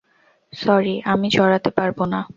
Sorry, আমি জড়াতে পারবো না।